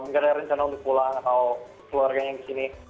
gak ada rencana untuk pulang atau keluarganya yang di sini